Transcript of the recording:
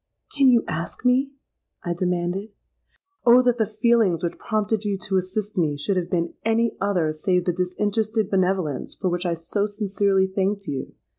'—'Can you ask me?' I demanded. 'Oh! that the feelings which prompted you to assist me, should have been any other save the disinterested benevolence for which I so sincerely thanked you!'